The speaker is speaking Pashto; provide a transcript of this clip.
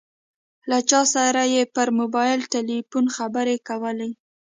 له چا سره یې پر موبایل ټیلیفون خبرې کولې.